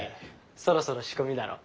そろそろ仕込みだろ。